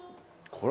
これ。